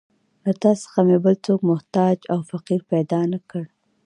له تا څخه مې بل څوک محتاج او فقیر پیدا نه کړ.